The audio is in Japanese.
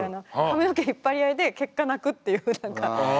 髪の毛引っ張り合いで結果泣くっていう何か。